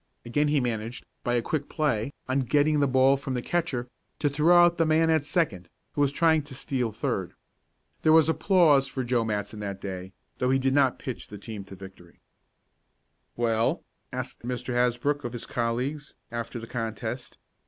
Again he managed, by a quick play, on getting the ball from the catcher, to throw out the man at second, who was trying to steal third. There was applause for Joe Matson that day, though he did not pitch the team to victory. "Well?" asked Mr. Hasbrook of his colleagues, after the contest.